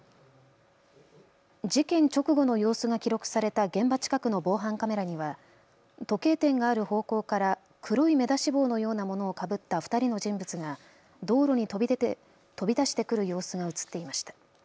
事件直後の様子が記録された現場近くの防犯カメラには時計店がある方向から黒い目出し帽のようなものをかぶった２人の人物が道路に飛び出してくる様子が写っていました。